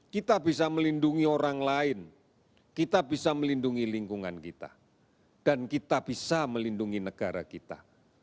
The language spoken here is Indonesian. kita bisa melindungi orang lain kita bisa melindungi lingkungan kita dan kita bisa melindungi negara kita